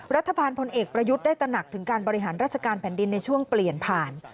พลเอกประยุทธ์ได้ตระหนักถึงการบริหารราชการแผ่นดินในช่วงเปลี่ยนผ่าน